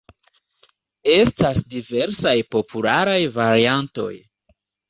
Estas diversaj popularaj variantoj.